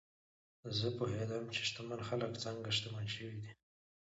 زه پوهېدم چې شتمن خلک څنګه شتمن شوي دي.